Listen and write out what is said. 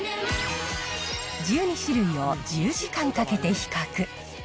１２種類を１０時間かけて比較。